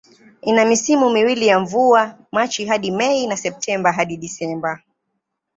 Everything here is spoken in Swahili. Ina misimu miwili ya mvua, Machi hadi Mei na Septemba hadi Disemba.